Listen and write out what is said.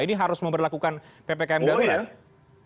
ini harus memperlakukan ppkm darurat